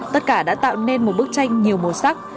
tất cả đã tạo nên một bức tranh nhiều màu sắc